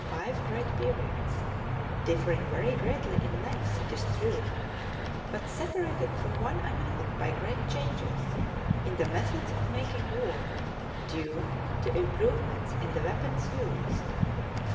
five great periods, differing very greatly in length, it is true, but separated from one another by great changes in the methods of making war, due to improvements in the weapons used.